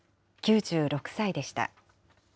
９６歳でした。